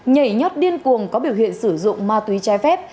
nhảy nhót điên cuồng có biểu hiện sử dụng ma túy trái phép